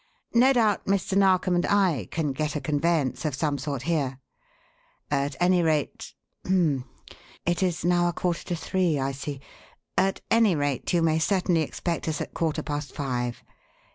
No doubt Mr. Narkom and I can get a conveyance of some sort here. At any rate h'm! it is now a quarter to three, I see at any rate, you may certainly expect us at quarter past five.